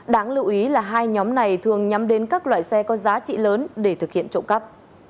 đáng lưu ý là hai nhóm này thường nhắm đến các loại xe có giá trị lớn để thực hiện trộm cắp